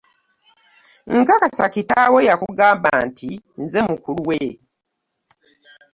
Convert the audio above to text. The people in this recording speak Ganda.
Nkakasa kitaawo yakugamba nti nze mukulu we.